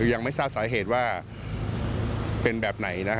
ยังไม่ทราบสาเหตุว่าเป็นแบบไหน